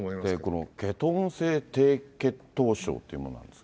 このケトン性低血糖症というものなんですが。